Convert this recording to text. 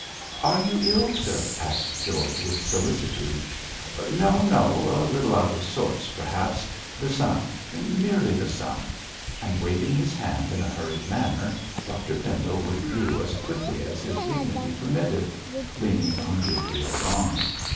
'Are you ill, sir?' asked George, with solicitude. 'No, no! a little out of sorts, perhaps. The sun, merely the sun;' and waving his hand in a hurried manner, Dr Pendle withdrew as quickly as his dignity permitted, leaning on Gabriel's arm.